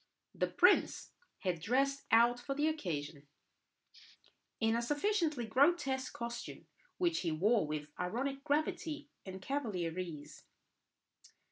The prince was dressed out for the occasion in a sufficiently grotesque costume, which he wore with ironic gravity and cavalier ease.